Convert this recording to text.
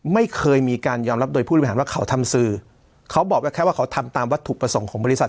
ไม่เคยมีการยอมรับโดยผู้บริหารว่าเขาทำสื่อเขาบอกว่าแค่ว่าเขาทำตามวัตถุประสงค์ของบริษัท